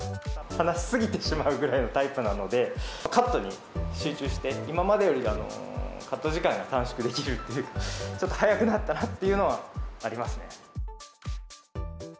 話し過ぎてしまうぐらいのタイプなので、カットに集中して、今までよりカット時間が短縮できるという、ちょっと早くなったなっていうのはありますね。